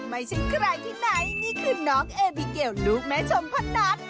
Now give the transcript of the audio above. ไม่ใช่ใครที่ไหนนี่คือน้องเอบิเกลลูกแม่ชมคนนั้น